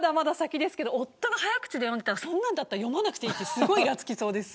夫が早口で読んでたらそんなんだったら読まなくていいってすごくいらつきそうです。